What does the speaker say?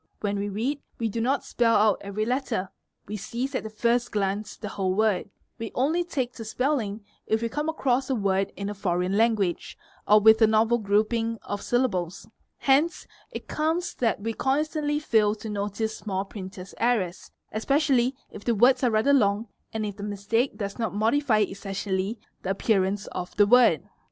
When we read, we do not spell out every letter, we seize at the first glance the whole word; we only take to spelling if we come across a word in a foreign language or with a _ novel grouping of syllables; hence it comes that we constantly fail to notice small printer's errors, especially if the words are rather long and q HE MIA BA EAI Kk dA SM ANA, 8 BL, A if the mistake does not modify essentially the appearance of the word.